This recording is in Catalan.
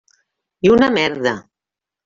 I una merda!